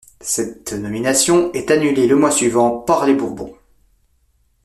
Cette nomination est annulée le mois suivant par les Bourbons.